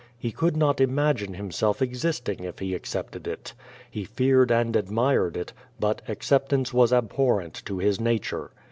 He could not imagine himself existing if he accepted it. He feared and admired it, but acceptance was abhorrent to his nature.